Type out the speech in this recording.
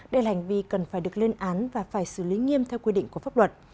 đây là hành vi cần phải được lên án và phải xử lý nghiêm theo quy định của pháp luật